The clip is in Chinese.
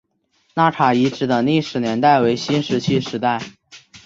纳卡遗址的历史年代为新石器时代。